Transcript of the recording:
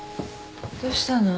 どうしたの？